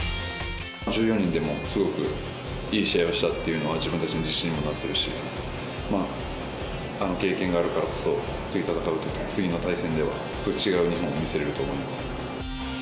１４人でもすごくいい試合をしたっていうのは、自分たちの自信にもなってるし、まあ、あの経験があるからこそ、次戦うとき、次の対戦では、そういう違う日本を見せれると思います。